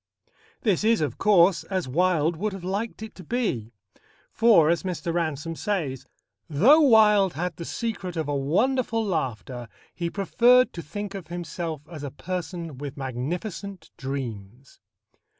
This is, of course, as Wilde would have liked it to be. For, as Mr. Ransome says, "though Wilde had the secret of a wonderful laughter, he preferred to think of himself as a person with magnificent dreams."